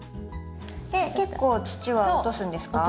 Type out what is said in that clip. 結構土は落とすんですか？